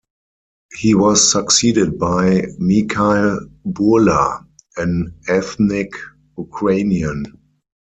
He was succeeded by Mikhail Burla, an ethnic Ukrainian.